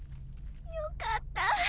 よかったぁ。